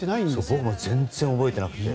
僕も全然覚えてなくて。